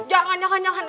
jangan jangan jangan